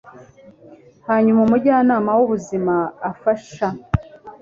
hanyuma umujyanama w'ubuzima afasha